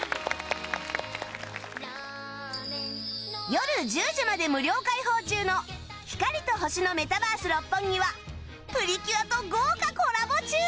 よる１０時まで無料開放中の光と星のメタバース六本木は『プリキュア』と豪華コラボ中！